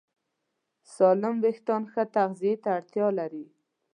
سالم وېښتيان ښه تغذیه ته اړتیا لري.